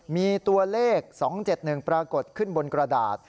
มีตัวเลข๒๗๑ปรากฏขึ้นบนกระดาษ